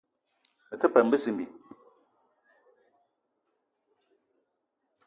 Me te peum bezimbi